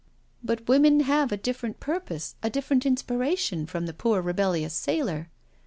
" But women have a different purpose, a different inspiration, from the poor rebellious sailor.